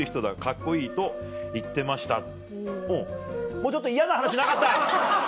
もうちょっと嫌な話なかった？